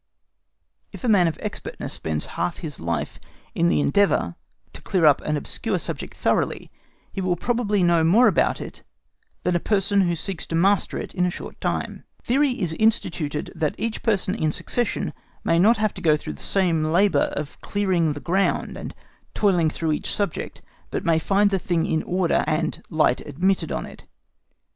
If a man of expertness spends half his life in the endeavour to clear up an obscure subject thoroughly, he will probably know more about it than a person who seeks to master it in a short time. Theory is instituted that each person in succession may not have to go through the same labour of clearing the ground and toiling through his subject, but may find the thing in order, and light admitted on it.